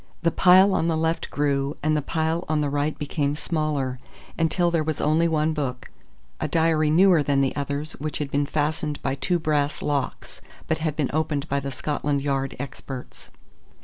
The pile on the left grew, and the pile on the right became smaller, until there was only one book a diary newer than the others which had been fastened by two brass locks, but had been opened by the Scotland Yard experts.